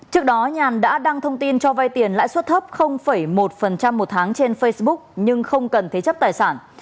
trước đó nhàn đã đăng thông tin cho vay tiền lãi suất thấp một một tháng trên facebook nhưng không cần thế chấp tài sản